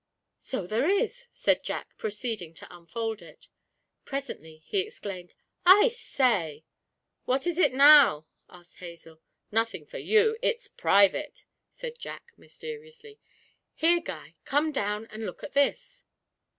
'So there is!' said Jack, proceeding to unfold it. Presently he exclaimed, 'I say!' 'What is it now?' asked Hazel. 'Nothing for you it's private!' said Jack, mysteriously. 'Here, Guy, come down and look at this.'